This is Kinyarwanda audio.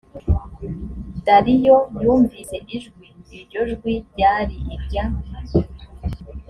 dariyo yumvise ijwi. iryo jwi ryari irya